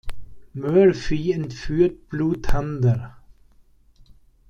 Murphy entführt Blue Thunder.